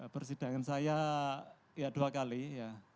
persidangan saya ya dua kali ya